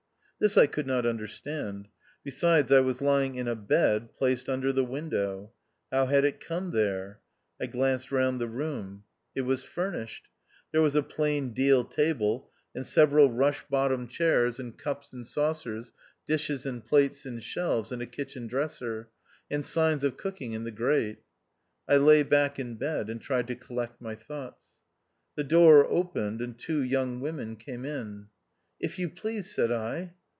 This I could not understand ; besides, I was lying in a bed placed under the window. How had it come there ? I glanced round the room. It was furnished. There was a plain deal table and several rush bottomed THE OUTCAST. 217 chairs, and cups and saucers, dishes and plates in shelves, and a kitchen dresser ; and signs of cooking in the grate. I lay back in bed, and tried to collect my thoughts. The door opened, and two young women came in. " If you please," said I.